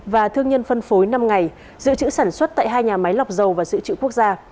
và thương nhân phân phối năm ngày dự trữ sản xuất tại hai nhà máy lọc dầu và dự trữ quốc gia